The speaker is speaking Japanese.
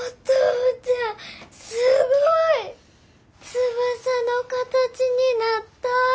翼の形になった！